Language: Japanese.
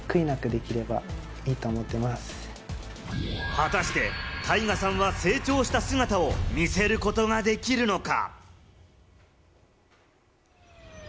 果たしてタイガさんは成長した姿を見せることができるのか？